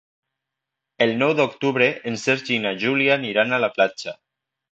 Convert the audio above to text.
El nou d'octubre en Sergi i na Júlia aniran a la platja.